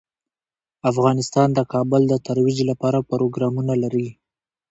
افغانستان د کابل د ترویج لپاره پروګرامونه لري.